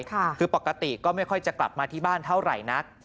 คือปกติก็ไม่ค่อยจะกลับมาที่บ้านเท่าไหร่นัก